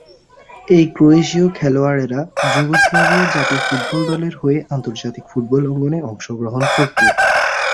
তখন ক্রোয়েশীয় খেলোয়াড়েরা যুগোস্লাভিয়া জাতীয় ফুটবল দলের হয়ে আন্তর্জাতিক ফুটবল অঙ্গনে অংশগ্রহণ করতো।